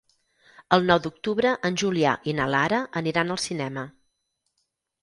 El nou d'octubre en Julià i na Lara aniran al cinema.